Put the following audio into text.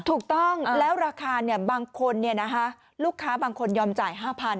ถูกต้องแล้วราคาเนี่ยบางคนเนี่ยนะฮะลูกค้าบางคนยอมจ่าย๕๐๐๐